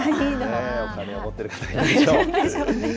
お金を持ってる方がいるでしょう。